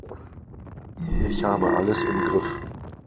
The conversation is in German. Ich habe alles im Griff.